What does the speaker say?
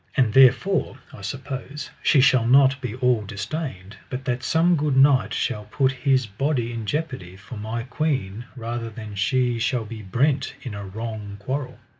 And therefore I suppose she shall not be all distained, but that some good knight shall put his body in jeopardy for my queen rather than she shall be brent in a wrong quarrel.